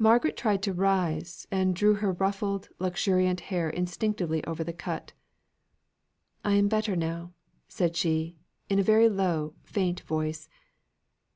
Margaret tried to rise, and drew her ruffled, luxuriant hair instinctively over the cut. "I am better now," said she, in a very low, faint voice.